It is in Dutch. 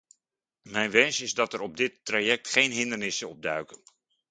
Mijn wens is dat er op dit traject geen hindernissen opduiken.